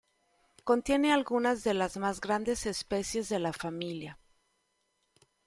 Contiene algunas de las más grandes especies de la familia.